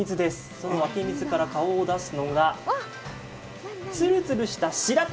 その湧き水から顔を出すのが、ツルツルした白玉。